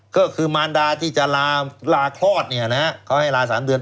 ก็คือมารดาที่จะลาคลอดเขาให้ลา๓เดือน